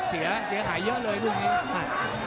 เสียหายเยอะเลยลูกนี้